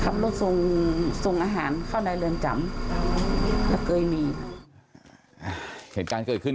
ครับลูกทรงทรงอาหารเข้าในเรือนจำแล้วเกิดมีเหตุการณ์เกิดขึ้น